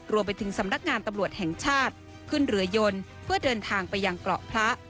รวมไปถึงสำนักงานตำรวจแห่งชาติขึ้นเรือยนเพื่อเดินทางไปยังเกาะพระ